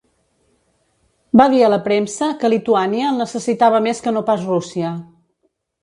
Va dir a la premsa que Lituània el necessitava més que no pas Rússia.